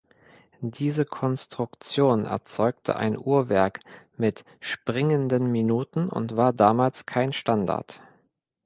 Diese Konstruktion erzeugte ein Uhrwerk mit springenden Minuten und war damals kein Standard.